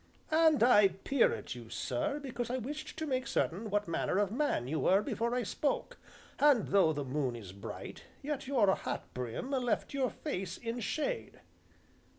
And I peer at you, sir, because I wished to make certain what manner of man you were before I spoke, and though the moon is bright, yet your hat brim left your face in shade."